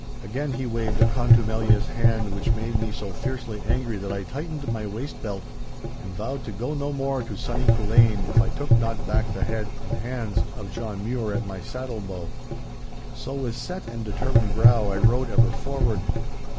Again he waved a contumelious hand which made me so fiercely angry that I tightened my waist belt, and vowed to go no more to sunny Culzean if I took not back the head and hands of John Mure at my saddlebow. So, with set and determined brow, I rode ever forward.